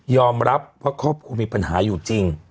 ยอมรับเพราะครอบครัวมีปัญหาอยู่จริง